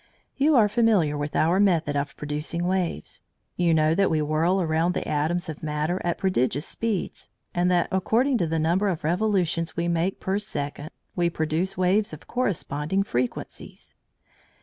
You are familiar with our method of producing waves. You know that we whirl around the atoms of matter at prodigious speeds, and that according to the number of revolutions we make per second, we produce waves of corresponding frequencies.